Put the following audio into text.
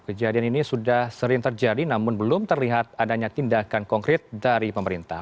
kejadian ini sudah sering terjadi namun belum terlihat adanya tindakan konkret dari pemerintah